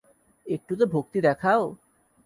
একটু তো ভক্তি দেখাও।